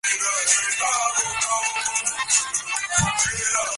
মনুষ্যহস্ত দ্বারা যাহা কিছু কৃত হয়, তাহারই তো উপাদান-কারণ প্রয়োজন।